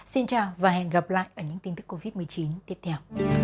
xin chào và hẹn gặp lại ở những tin tức covid một mươi chín tiếp theo